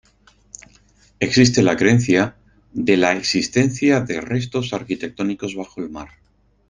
Existe la creencia de la existencia de restos arquitectónicos bajo el mar.